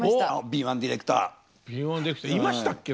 敏腕ディレクターいましたっけ